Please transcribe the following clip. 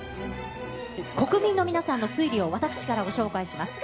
国民の皆さんの推理を私からご紹介します。